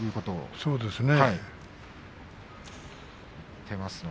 そうですね。